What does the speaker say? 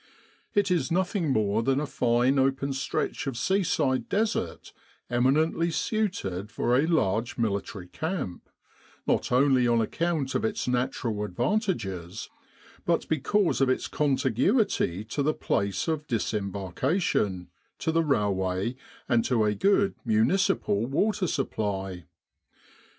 It is nothing more than a fine open stretch of seaside desert eminently suited for a large military camp, not only on account of its natural advantages but because of its contiguity to the place of disembarkation, to the railway, and to a good municipal water supply.